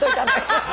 ハハハ。